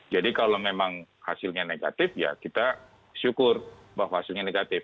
jadi kalau memang hasilnya negatif ya kita syukur bahwa hasilnya negatif